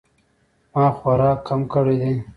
ما خوراک کم کړی دی